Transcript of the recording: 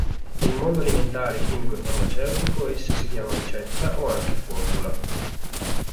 Nel mondo alimentare, chimico e farmaceutico essa si chiama ricetta o anche formula.